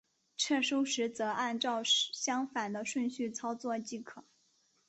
撤收时则按照相反的顺序操作即可。